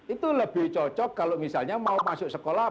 itu lebih cocok kalau misalnya mau masuk sekolah